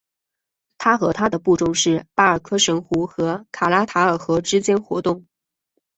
他和他的部众是巴尔喀什湖和卡拉塔尔河之间活动。